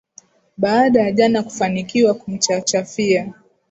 baada ya jana kufanikiwa kumchachafia